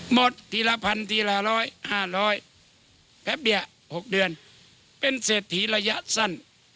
หมดทีละพันทีละร้อยห้าร้อยแป๊บเดียว๖เดือนเป็นเศรษฐีระยะสั้น